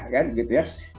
kan gitu ya